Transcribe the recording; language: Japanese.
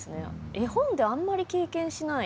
絵本であんまり経験しない。